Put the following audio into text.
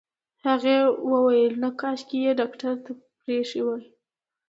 هغې وويل نه کاشکې يې ډاکټر ته پرېښې وای.